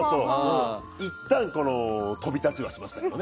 いったん飛び立ちはしましたけどね。